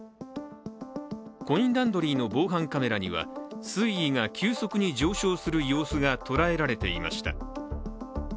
コインランドリーの防犯カメラには水位が急速に上昇する様子が捉えられていました。